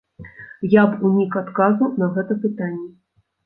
Я б унік адказу на гэта пытанне.